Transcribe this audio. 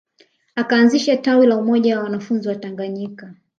Akaanzisha tawi la Umoja wa wanafunzi Watanganyika